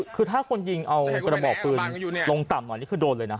คือถ้าคนยิงเอากระบอกปืนลงต่ำหน่อยนี่คือโดนเลยนะ